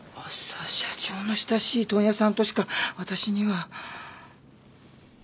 社長の親しい問屋さんとしか私には。